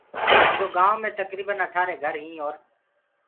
ايٚرو گآئونٚ مي تڪريٚبن اٺآرينٚ گھر هينٚٚ اور